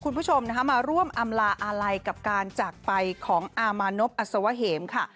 คุณผู้ชมนะคะมาร่วมอำลาอาลัยกับการจากไปของอามานพอัศวะเหมค่ะ